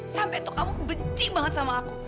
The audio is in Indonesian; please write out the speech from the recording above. sampai tuh kamu benci banget sama aku